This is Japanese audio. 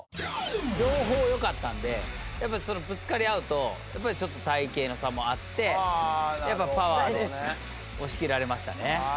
両方良かったのでぶつかり合うとやっぱりちょっと体形の差もあってパワーで押し切られましたね。